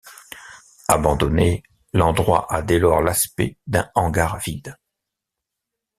Abandonné, l'endroit a dès lors l'aspect d'un hangar vide.